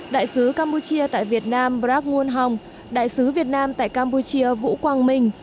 đại sứ campuchia tại việt nam brac nguyen hong đại sứ việt nam tại campuchia vũ quang minh